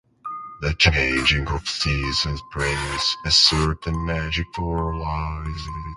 The changing of seasons brings a certain magic to our lives.